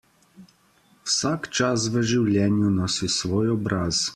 Vsak čas v življenju nosi svoj obraz.